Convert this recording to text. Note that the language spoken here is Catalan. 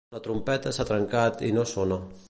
La trompeta s'ha trencat i no sona.